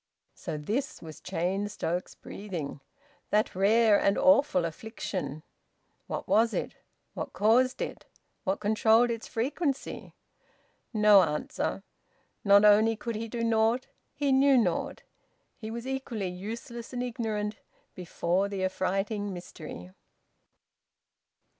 ... So this was Cheyne Stokes breathing, that rare and awful affliction! What was it? What caused it? What controlled its frequency? No answer! Not only could he do naught, he knew naught! He was equally useless and ignorant before the affrighting mystery.